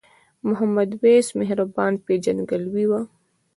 محمد وېس مهربان پیژندګلوي وه.